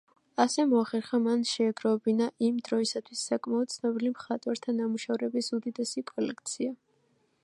ასე მოახერხა მან შეეგროვებინა იმ დროისთვის საკმაოდ ცნობილ მხატვართა ნამუშევრების უდიდესი კოლექცია.